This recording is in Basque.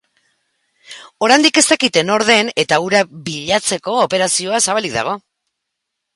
Oraindik ez dakite nor den eta hura bilatzeko operazioa zabalik dago.